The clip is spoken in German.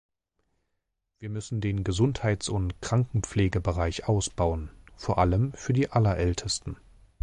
Wir müssen den Gesundheits- und Krankenpflegebereich ausbauen, vor allem für die Allerältesten.